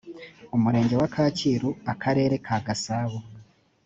umurenge wa kacyiru akarere ka gasabo